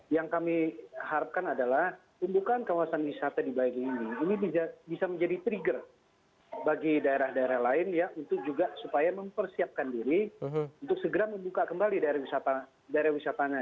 yang kami harapkan adalah pembukaan kawasan wisata di bali ini ini bisa menjadi trigger bagi daerah daerah lain ya untuk juga supaya mempersiapkan diri untuk segera membuka kembali daerah wisatanya